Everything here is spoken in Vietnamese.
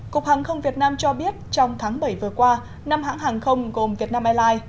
cục hàng không việt nam cho biết trong tháng bảy vừa qua năm hãng hàng không gồm vietnam airlines